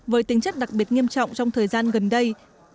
với tính chất đặc biệt nghiêm trọng trong thời gian gần đây